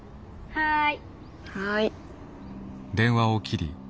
はい。